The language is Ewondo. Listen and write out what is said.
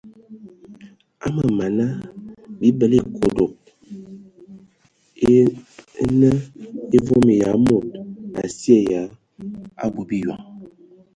Aməmama bibələ ekodog e nə evom ya mod asye ya abui biyɔŋ.